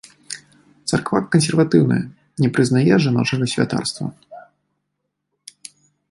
Царква кансерватыўная, не прызнае жаночага святарства.